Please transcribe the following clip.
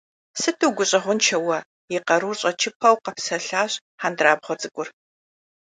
Сыту угущӀэгъуншэ уэ, - и къарур щӀэкӀыпэу къэпсэлъащ хьэндырабгъуэ цӀыкӀур.